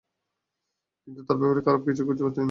কিন্তু তার ব্যাপারে খারাপ কিছু খুঁজে পাইনি, গুনা।